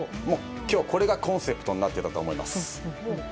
今日はこれがコンセプトになっていたと思います。